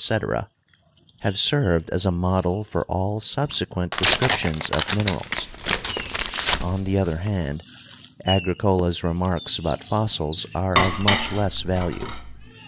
have served as a model for all subsequent descriptions of min erals. On the other hand, Agricola's remarks about fossils are of much less value.